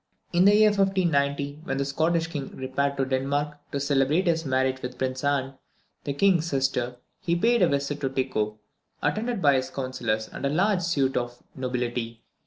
In the year 1590, when the Scottish King repaired to Denmark to celebrate his marriage with the Princess Anne, the King's sister, he paid a visit to Tycho, attended by his councillors and a large suite of nobility.